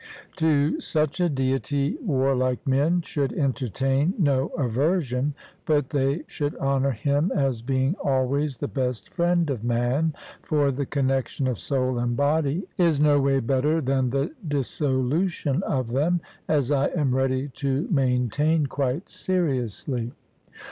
To such a deity warlike men should entertain no aversion, but they should honour him as being always the best friend of man. For the connexion of soul and body is no way better than the dissolution of them, as I am ready to maintain quite seriously.